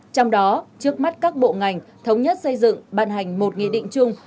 trong đó trước mắt các bộ ngành thống nhất xây dựng ban hành một nghị định chung